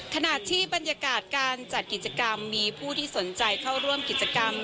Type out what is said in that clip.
ขณะที่บรรยากาศการจัดกิจกรรมมีผู้ที่สนใจเข้าร่วมกิจกรรม